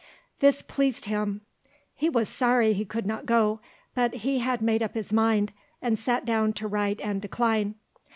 This pleased him. He was sorry he could not go; but he had made up his mind, and sat down to write and decline.